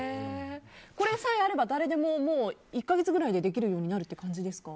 これさえあれば誰でも１か月くらいでできるようになるということですか？